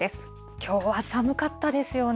きょうは寒かったですよね。